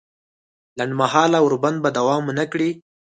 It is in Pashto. لنډ مهاله اوربند به دوام ونه کړي